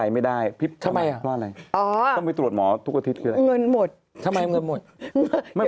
ไม่พี่ต้องไปตรวจคุณหมอทุกอาทิตย์จริงไหม